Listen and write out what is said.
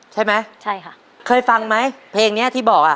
ใช่ไหมใช่ค่ะเคยฟังไหมเพลงเนี้ยที่บอกอ่ะ